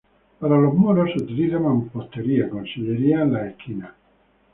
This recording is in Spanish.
Para los muros se utiliza mampostería, con sillería en las esquinas.